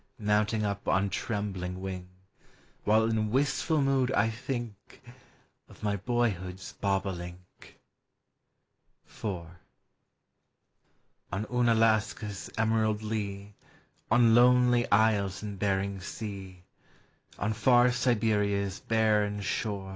Mounting up on trembling wing; While in wistful mood I think Of my boyhood's bobolink. IV. On Unalaska's emerald lea, On lonely isles in Bering Sea, On far Siberia's barren slim.